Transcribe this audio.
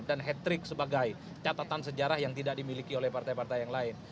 dan hat trick sebagai catatan sejarah yang tidak dimiliki oleh partai partai yang lain